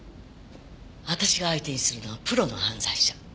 私が相手にするのはプロの犯罪者。